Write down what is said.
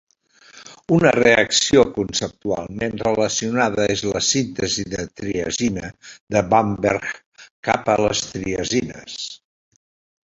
Una reacció conceptualment relacionada és la síntesi de triazina de Bamberger cap a les triazines.